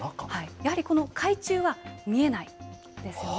やはりこの海中は見えないですよね。